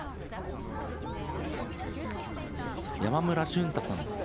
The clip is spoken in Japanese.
山村俊太さん。